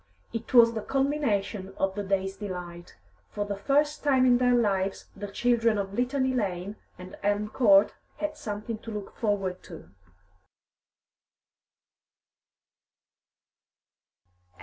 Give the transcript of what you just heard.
It was the culmination of the day's delight. For the first time in their lives the children of Litany Lane and Elm Court had something to look forward to.